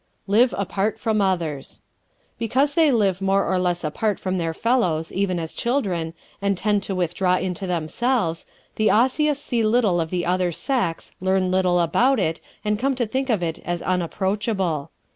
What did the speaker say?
Live Apart from Others ¶ Because they live more or less apart from their fellows, even as children, and tend to withdraw into themselves, the Osseous see little of the other sex, learn little about it and come to think of it as unapproachable.